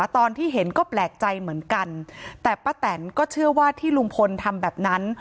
ตอนที่เห็นก็แปลกใจเหมือนกันแต่ป้าแตนก็เชื่อว่าที่ลุงพลทำแบบนั้น